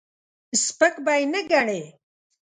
سپک به یې نه ګڼې.